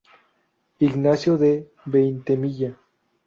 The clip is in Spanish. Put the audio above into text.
Ignacio de Veintemilla.